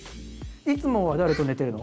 いつもは誰と寝てるの？